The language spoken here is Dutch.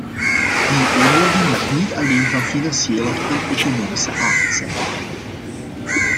Die eenwording mag niet alleen van financiële en economische aard zijn.